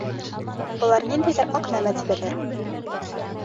Былар ниндәйҙер аҡ нәмә тибәләр.